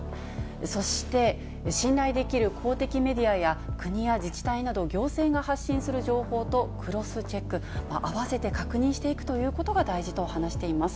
そして信頼できる公的メディアや国や自治体など行政が発信する情報とクロスチェック、合わせて確認していくということが大事と話しています。